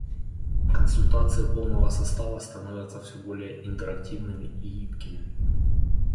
Консультации полного состава становятся все более интерактивными и гибкими.